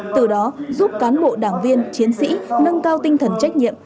từ đó giúp cán bộ đảng viên chiến sĩ nâng cao tinh thần trách nhiệm